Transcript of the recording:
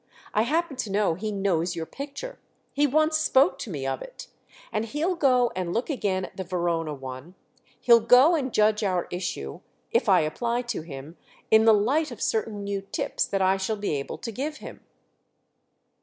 I happen to know he knows your picture—he once spoke to me of it; and he'll go and look again at the Verona one, he'll go and judge our issue, if I apply to him, in the light of certain new tips that I shall be able to give him."